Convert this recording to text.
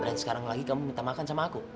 dan sekarang lagi kamu minta makan sama aku